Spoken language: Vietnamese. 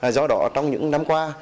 do đó trong những năm qua